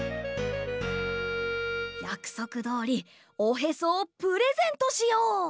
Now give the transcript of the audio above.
やくそくどおりおへそをプレゼントしよう！